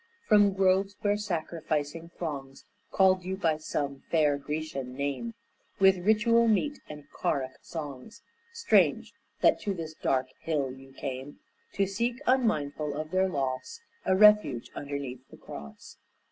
From groves where sacrificing throngs Called you by some fair Grecian name, With ritual meet and choric songs, Strange, that to this dark hill you came To seek, unmindful of their loss, A refuge underneath the cross.